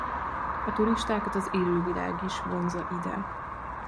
A turistákat az élővilág is vonzza ide.